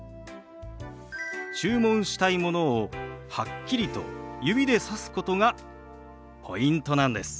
注文したいものをはっきりと指でさすことがポイントなんです。